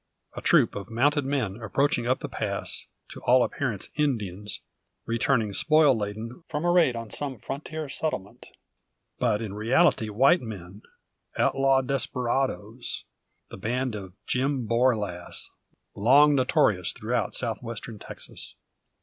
A troop of mounted men approaching up the pass, to all appearance Indians, returning spoil laden from a raid on some frontier settlement. But in reality white men, outlawed desperadoes, the band of Jim Borlasse, long notorious throughout South Western Texas.